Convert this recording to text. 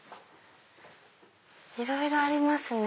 いろいろありますね。